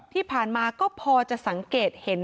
ที่ผ่านมาก็พอจะสังเกตเห็น